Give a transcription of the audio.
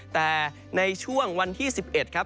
แต่ในช่วงวันที่๑๑ครับ